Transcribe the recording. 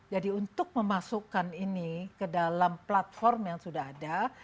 jadi untuk memasukkan ini ke dalam platform yang sudah ada